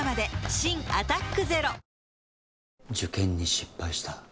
新「アタックＺＥＲＯ」受験に失敗した？